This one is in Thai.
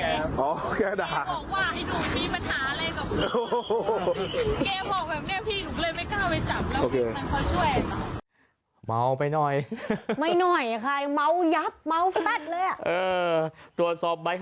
เออกินเหล้าที่ไหนบ้างเนี่ย